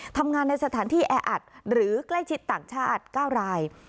ทำงานในสถานที่แออัดหรือใกล้ชิดต่างชาติ๙ราย